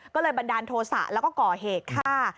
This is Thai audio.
ก็เลยบันดาลโทษะแล้วก็ก่อเหตุฆ่า